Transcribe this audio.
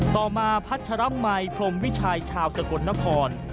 ต่อมาพัชรัพย์ใหม่พรมวิชัยชาวสะกดนคร